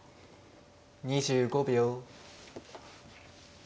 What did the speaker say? ２５秒。